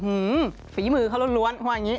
ฝีมือเขาล้วนว่าอย่างนี้